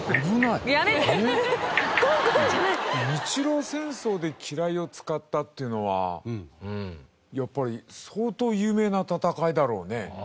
日露戦争で機雷を使ったっていうのはやっぱり相当有名な戦いだろうね。